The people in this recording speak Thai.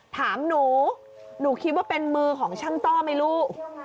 ถามหนูหนูคิดว่าเป็นมือของช่างต้อไหมลูก